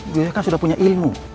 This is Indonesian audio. bu yoyo kan sudah punya ilmu